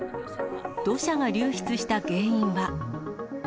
土砂が流出した原因は。